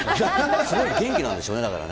すごい元気なんでしょうね、だからね。